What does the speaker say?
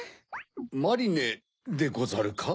マリネでござるか？